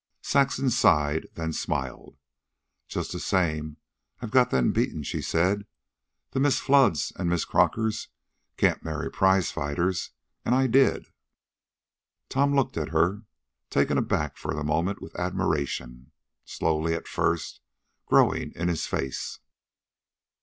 Saxon sighed, then smiled. "Just the same, I've got them beaten," she said. "The Miss Floods and Miss Crockers can't marry prize fighters, and I did." Tom looked at her, taken aback for the moment, with admiration, slowly at first, growing in his face.